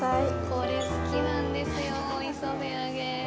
これ、好きなんですよ、磯べ揚げ！